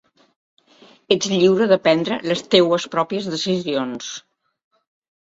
Ets lliure de prendre les teues pròpies decisions.